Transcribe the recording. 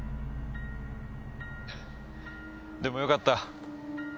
でもよかった。